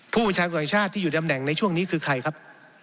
ผู้บัญชาการตรวจแห่งชาติที่อยู่ดำแหน่งในช่วงนี้คือใครครับ